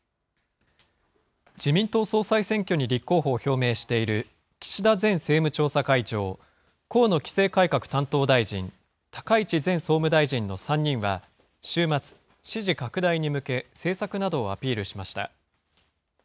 自民党総裁選挙に立候補を表明している岸田前政務調査会長、河野規制改革担当大臣、高市前総務大臣の３人は、週末、支持拡大に向け、政策などをアピールしました。